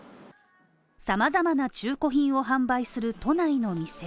さまざまな中古品を販売する都内の店。